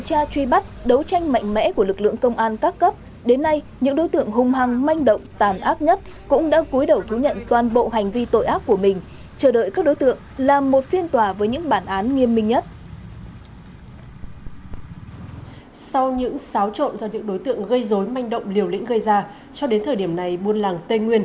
chúng tôi bắn một anh công an một anh ra ngoài rồi bắn